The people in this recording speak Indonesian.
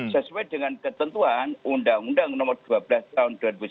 sesuai dengan ketentuan undang undang nomor dua belas tahun dua ribu sembilan belas